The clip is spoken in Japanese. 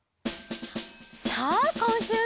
さあこんしゅうの。